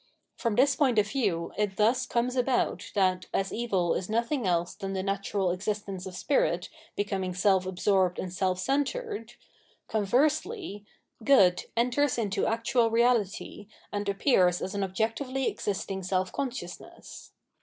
From this point of view it thus comes about that, as evil is nothing else than the natural existence of spirit be coming self absorbed and seM centred, conversely, good enters into actual reahty and appears as an objectively existing self consciousness.